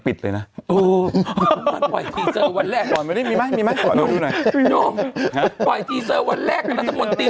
ปิดหูเรื่องไทย